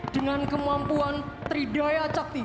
dengan kemampuan tridayat cakti